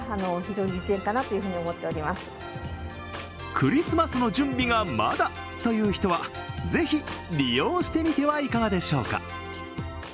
クリスマスの準備がまだという人はぜひ利用してみてはいかがでしょうか。